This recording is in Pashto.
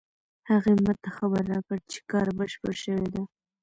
هغې ما ته خبر راکړ چې کار بشپړ شوی ده